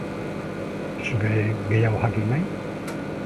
Zuk ere gehiago jakin nahi?